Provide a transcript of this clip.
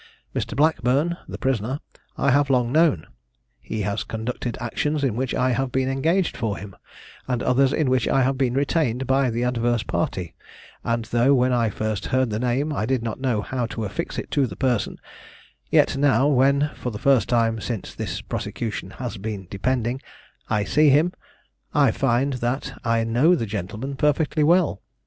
Mr. Blackburn (the prisoner) I have long known; he has conducted actions in which I have been engaged for him, and others in which I have been retained by the adverse party: and though when I first heard the name I did not know how to affix it to the person, yet now, when (for the first time since this prosecution has been depending) I see him, I find that I know the gentleman perfectly well.